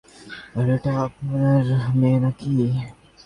আরে, এটা আপনার মেয়ে নাকি?